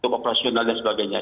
top operasional dan sebagainya